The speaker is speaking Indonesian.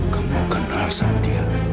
kamu kenal sama dia